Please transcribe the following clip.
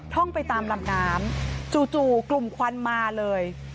ท่องไปตามลำน้ำจู่กลุ่มควันมาเลย